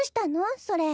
それ。